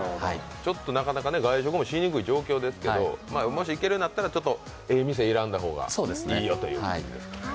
なかなか外食もしにくい状況ですけど、もし行けるようになったらちょっとええ店選んだ方がいいよということですね。